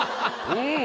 うん。